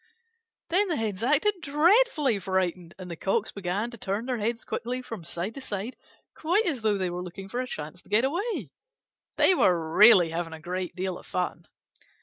Then the Hens acted dreadfully frightened, and the Cocks began to turn their heads quickly from side to side, quite as though they were looking for a chance to get away. They were really having a great deal of fun.